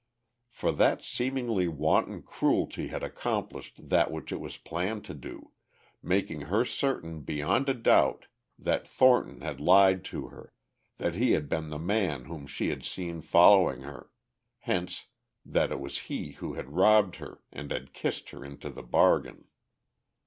For that seemingly wanton cruelty had accomplished that which it was planned to do, making her certain beyond a doubt that Thornton had lied to her, that he had been the man whom she had seen following her, hence that he it was who had robbed her and had kissed her into the bargain.